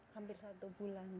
hampir satu bulan